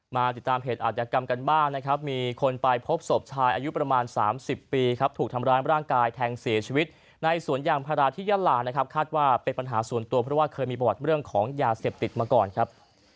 มาติดตามเหตุอาจยกรรมกันบ้างนะครับมีคนไปพบศพชายอายุประมาณ๓๐ปีครับถูกทำร้ายร่างกายแทงเสียชีวิตในสวนยางพาราที่ยาลานะครับคาดว่าเป็นปัญหาส่วนตัวเพราะว่าเคยมีประวัติเรื่องของยาเสพติดมาก่อนครับ